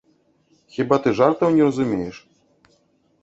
Хіба ты жартаў не разумееш?